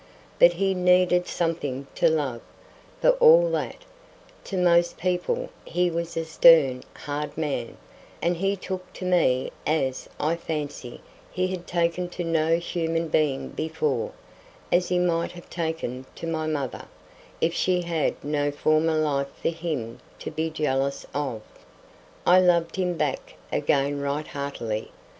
But he needed something to love, for all that, to most people, he was a stern, hard man, and he took to me as, I fancy, he had taken to no human being before—as he might have taken to my mother, if she had had no former life for him to be jealous of. I loved him back again right heartily.